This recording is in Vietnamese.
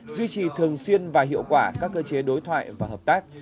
duy trì thường xuyên và hiệu quả các cơ chế đối thoại và hợp tác